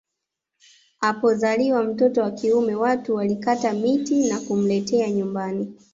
Apozaliwa mtoto wa kiume watu walikata miti na kumletea nyumbani